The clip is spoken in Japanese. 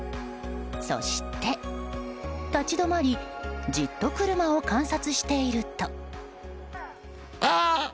そして、立ち止まりじっと車を観察していると。